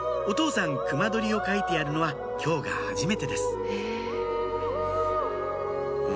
お父さん隈取りを描いてやるのは今日がはじめてです